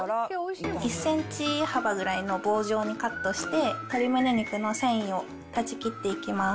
１センチ幅ぐらいの棒状にカットして、鶏むね肉の繊維を断ち切っていきます。